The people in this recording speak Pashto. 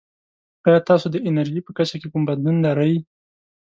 ایا تاسو د انرژي په کچه کې کوم بدلون لرئ؟